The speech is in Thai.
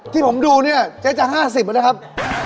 ที่ผมดูเนี่ยเจ๊จะ๕๐นะครับ